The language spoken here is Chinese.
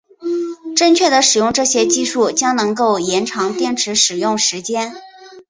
正确的使用这些技术将能够延长电池使用时间。